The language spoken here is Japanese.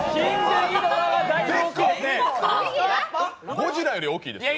ゴジラより大きいですよ。